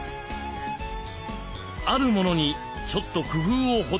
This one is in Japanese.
あるものにちょっと工夫を施せば。